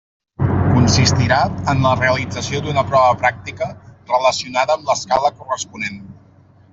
Consistirà en la realització d'una prova pràctica relacionada amb l'escala corresponent.